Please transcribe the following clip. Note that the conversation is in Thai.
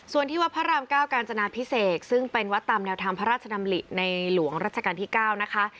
ส่วนที่วัดพระราม๙กาญจนาพิเศษซึ่งเป็นวัดตามแนวทางพระราชดำริในหลวงรัชกาลที่๙นะคะ